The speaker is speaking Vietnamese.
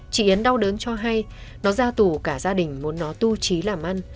chị yến đau đớn cho hay nó ra tù cả gia đình muốn nó tu trí làm ăn